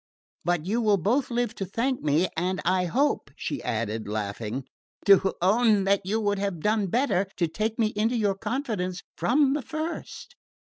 But you will both live to thank me, and I hope," she added, laughing, "to own that you would have done better to take me into your confidence from the first."